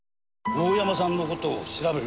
大山さんの事を調べる？